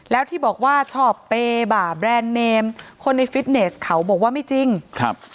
แล้วที่บอกว่าชอบเปบ่าแบรนด์เนมคนในฟิตเนสเขาบอกว่าไม่จริงครับ